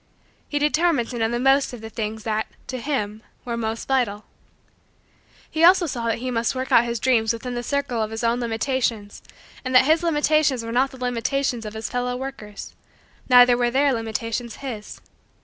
He determined to know the most of the things that, to him, were most vital. He saw also that he must work out his dreams within the circle of his own limitations; and that his limitations were not the limitations of his fellow workers; neither were their limitations his.